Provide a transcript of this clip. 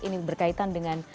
ini berkaitan dengan